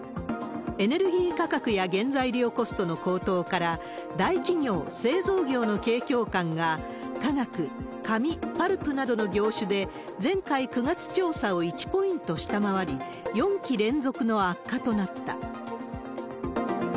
エネルギー価格や原材料コストの高騰から、大企業製造業の景況感が化学、紙・パルプなどの業種で、前回９月調査を１ポイント下回り、４期連続の悪化となった。